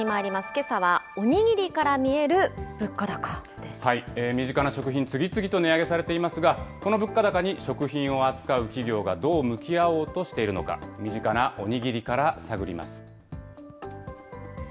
けさは、お握りから見える物価高身近な食品、次々と値上げされていますが、この物価高に食品を扱う企業がどう向き合おうとしているのか、身近なお握りから探ります。